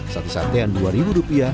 sate sate yang rp dua